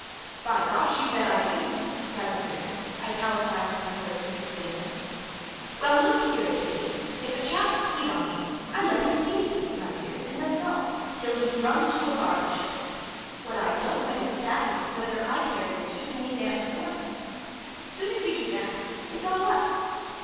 "By gosh, you bet I do!" cried Maria, italicising the words in her vehemence. "Well, look here, Kiddy, if a chap's sweet on me I let him be sweet, my dear, and that's all till he's run to barley sugar. What I don't let him savvy is, whether I care a twopenny damn for him. Soon as you do that, it's all up.